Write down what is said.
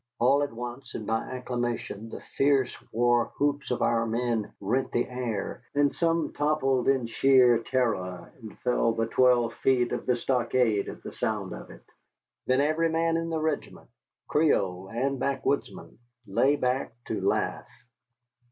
All at once and by acclamation the fierce war whoops of our men rent the air, and some toppled in sheer terror and fell the twelve feet of the stockade at the sound of it. Then every man in the regiment, Creole and backwoodsman, lay back to laugh.